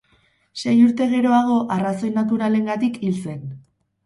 Sei urte geroago arrazoi naturalengatik hil zen.